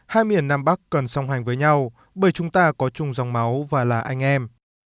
hai miền nam bắc cần song hành với nhau bởi chúng ta có chung dòng máu và là anh em